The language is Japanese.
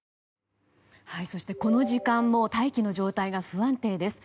そしてこの時間も大気の状態が不安定です。